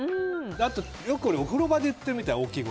あとよく、お風呂場で言ってるみたい。